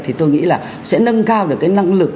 thì tôi nghĩ là sẽ nâng cao được cái năng lực